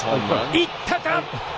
いったか。